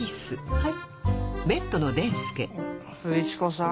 はい。